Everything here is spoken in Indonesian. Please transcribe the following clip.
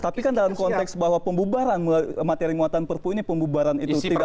tapi kan dalam konteks bahwa pembubaran materi muatan perpu ini pembubaran itu tidak